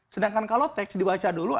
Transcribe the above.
sedangkan kalau teks dibaca dulu